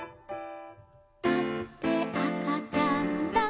「だってあかちゃんだから」